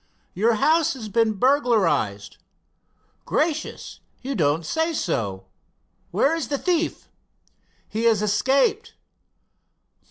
"Your house has been burglarized." "Gracious I you don't say so. Where is the thief?" "He has escaped."